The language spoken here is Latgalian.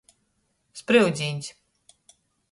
Spryudzīņs.